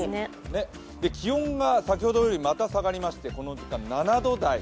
気温が先ほどよりまた下がりましてこの時間７度台。